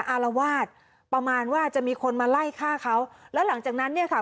อารวาสประมาณว่าจะมีคนมาไล่ฆ่าเขาแล้วหลังจากนั้นเนี่ยค่ะ